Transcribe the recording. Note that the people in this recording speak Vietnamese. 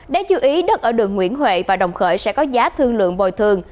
đáng chú ý đất ở đường nguyễn huệ và đồng khởi sẽ có giá thương lượng bồi thường